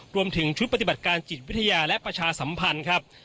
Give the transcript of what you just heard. รวมถึงชุดปฏิบัติการจิตวิทยาและประชาสัมพันธ์ครับ